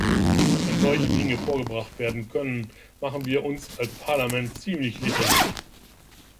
Wenn solche Dinge vorgebracht werden können, machen wir uns als Parlament ziemlich lächerlich.